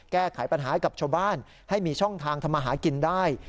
แก้ไขปัญหาให้กับชาวบ้านให้มีช่องทางทำมาหากินได้